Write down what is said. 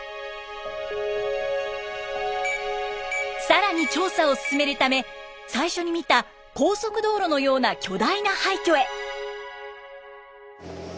更に調査を進めるため最初に見た高速道路のような巨大な廃虚へ。